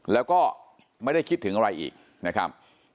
แล้วก็ไม่ได้คิดถึงอะไรอีกนะครับ